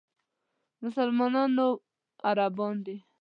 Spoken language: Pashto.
مسلمانانو عربان دي.